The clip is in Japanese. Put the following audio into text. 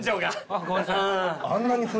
あっごめんなさい。